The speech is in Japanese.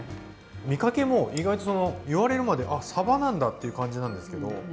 見かけも意外と言われるまで「あっさばなんだ」っていう感じなんですけど。